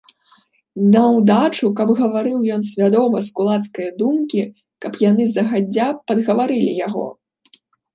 Наўдачу, каб гаварыў ён свядома з кулацкае думкі, каб яны загадзя падгаварылі яго.